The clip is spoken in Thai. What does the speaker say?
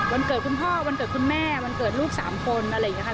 วันเกิดคุณพ่อวันเกิดคุณแม่วันเกิดลูก๓คนอะไรอย่างนี้ค่ะ